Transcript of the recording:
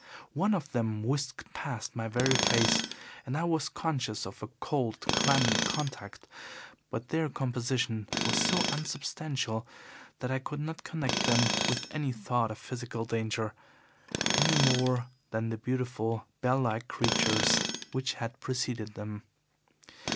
One of them whisked past my very face, and I was conscious of a cold, clammy contact, but their composition was so unsubstantial that I could not connect them with any thought of physical danger, any more than the beautiful bell like creatures which had preceded them.